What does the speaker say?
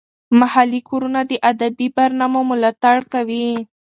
محلي کورونه د ادبي برنامو ملاتړ کوي.